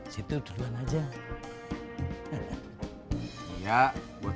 biar bisa terawih